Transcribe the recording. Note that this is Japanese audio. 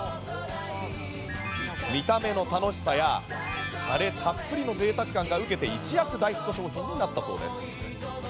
見た目の楽しさやタレたっぷりの贅沢感がウケて一躍大ヒット商品になったそうです。